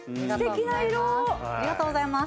ありがとうございます。